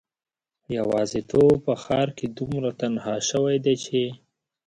یوازیتوب په ښار کې دومره تنها شوی دی چې